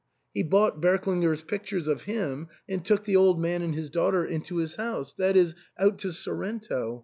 He bought Berklinger's pictures of him and took the old man and his daughter into his house, that is, out to Sorrento.